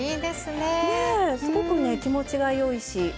ねえすごくね気持ちが良いし。